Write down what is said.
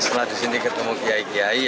setelah disini ketemu kiai kiai